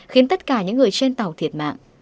khiến tất cả những người trên tàu thiệt mạng